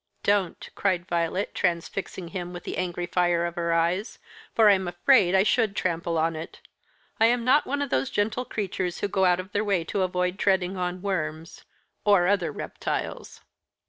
"Don't," cried Violet, transfixing him with the angry fire of her eyes, "for I'm afraid I should trample on it. I am not one of those gentle creatures who go out of their way to avoid treading on worms or other reptiles."